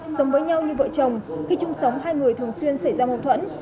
sống với nhau như vợ chồng khi chung sống hai người thường xuyên xảy ra mâu thuẫn